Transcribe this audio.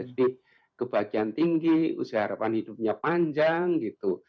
jadi kebahagiaan tinggi usia harapan hidupnya panjang gitu